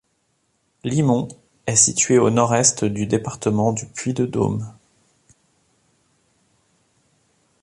Limons est située au nord-est du département du Puy-de-Dôme.